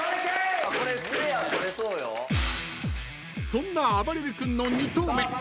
［そんなあばれる君の２投目］